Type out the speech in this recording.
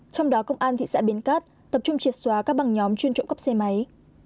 trong đó công an thị xã bến cát tập trung triệt xóa các bằng nhóm chuyên trộm cắp xe máy